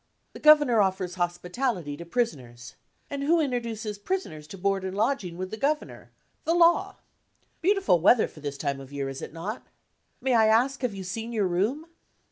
The Governor offers hospitality to prisoners. And who introduces prisoners to board and lodging with the Governor? the Law. Beautiful weather for the time of year, is it not? May I ask have you seen your room?"